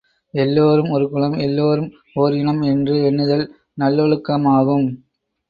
எல்லாரும் ஒரு குலம் எல்லாரும் ஒர் இனம் என்று எண்ணுதல் நல்லொழுக்கமாகும்.